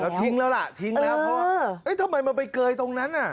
แล้วทิ้งแล้วล่ะทิ้งแล้วเพราะเอ๊ะทำไมมันไปเกยตรงนั้นน่ะ